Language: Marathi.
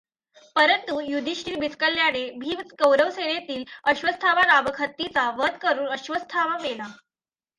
पंरतु युधिष्ठिर बिचकल्याने भीम कौरवसेनेतील अश्वत्थामा नामक हत्तीचा वध करून अश्वत्थामा मेला!